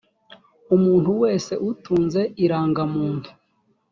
umuntu wese atunze irangamuntu.